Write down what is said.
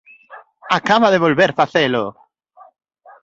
Acaba de volver facelo!